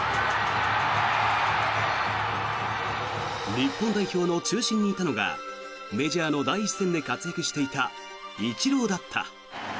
日本代表の中心にいたのがメジャーの第一線で活躍していたイチローだった。